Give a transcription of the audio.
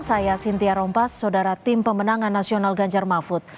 saya sintia rompas saudara tim pemenangan nasional ganjar mahfud